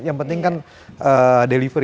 yang penting kan delivery